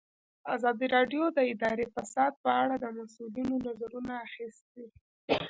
ازادي راډیو د اداري فساد په اړه د مسؤلینو نظرونه اخیستي.